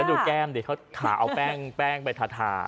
ดูแก้มดิเขาขาเอาแป้งไปทา